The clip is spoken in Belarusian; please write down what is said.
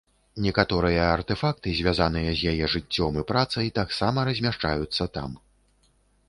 Некаторыя артэфакты, звязаныя з яе жыццём і працай таксама размяшчаюцца там.